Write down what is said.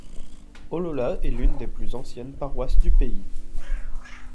Hollola est l'une des plus anciennes paroisses du pays.